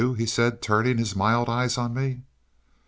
he said, turning his mild eyes on me.